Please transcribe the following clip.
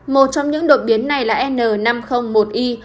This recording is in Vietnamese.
một trong những đột biến này là n năm trăm linh một i